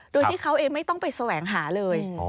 โดยที่เขาเองไม่ต้องไปแสวงหาเลย